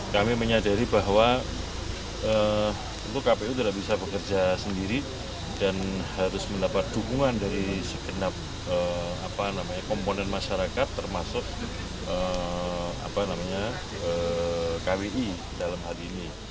kami menyadari bahwa tentu kpu tidak bisa bekerja sendiri dan harus mendapat dukungan dari segenap komponen masyarakat termasuk kwi dalam hal ini